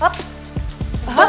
kemarin udah baik a